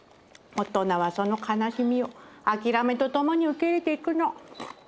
大人はその悲しみを諦めとともに受け入れていくの。